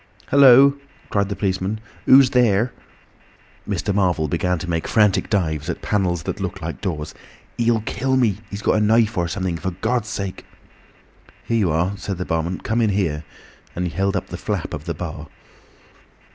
"Hullo," cried the policeman, "who's there?" Mr. Marvel began to make frantic dives at panels that looked like doors. "He'll kill me—he's got a knife or something. For Gawd's sake—!" "Here you are," said the barman. "Come in here." And he held up the flap of the bar.